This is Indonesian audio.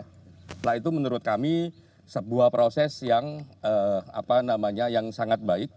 setelah itu menurut kami sebuah proses yang apa namanya yang sangat baik